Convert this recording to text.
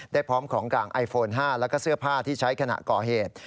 พร้อมของกลางไอโฟน๕แล้วก็เสื้อผ้าที่ใช้ขณะก่อเหตุ